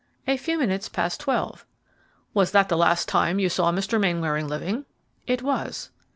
"A few minutes past twelve." "Was that the last time you saw Mr. Mainwaring living?" "It was."